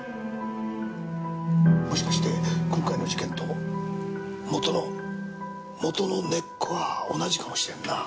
もしかして今回の事件ともとのもとの根っこは同じかもしれんな。